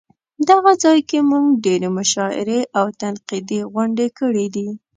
دغه ځای کې مونږ ډېرې مشاعرې او تنقیدي غونډې کړې دي.